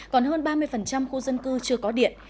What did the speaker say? còn hơn ba mươi khu dân cư chưa có điện